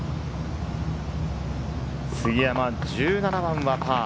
杉山、１７番はパー。